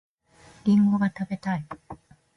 りんごが食べたい